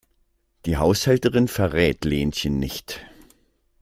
Die Haushälterin verrät Lenchen nicht.